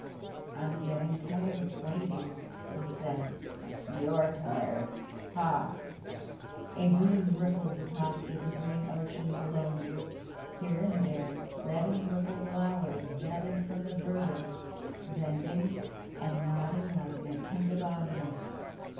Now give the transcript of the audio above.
"I'm getting tired of waiting," he said. "You're tired! Hah!" A breeze rippled the tops of the green ocean below them. Here and there, red and purple flowers jutted from the verdure, bending and nodding like an attentive audience.